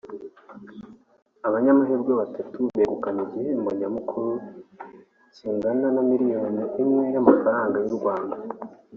Abanyamahirwe batatu begukanye igihembo nyamukuru kingana na miliyoni imwe y’amafaranga y’u Rwanda